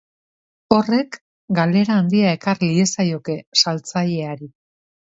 Horrek galera handia ekar liezaioke saltzaileari.